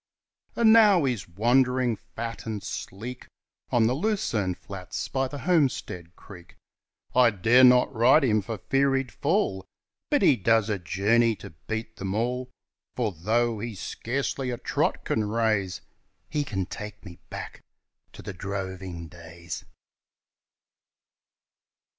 And now he's wandering, fat and sleek, On the lucerne flats by the Homestead Creek; I dare not ride him for fear he'd fall, But he does a journey to beat them all, For though he scarcely a trot can raise, He can take me back to the droving days.